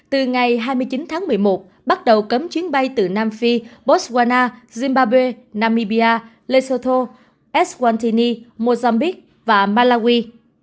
từ ngày hai mươi chín tháng một mươi một bắt đầu cấm chuyến bay từ nam phi botswana zimbabwe namibia leo eswaltini mozambique và malawi